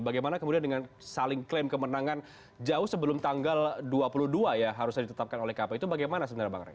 bagaimana kemudian dengan saling klaim kemenangan jauh sebelum tanggal dua puluh dua ya harusnya ditetapkan oleh kpu itu bagaimana sebenarnya bang rey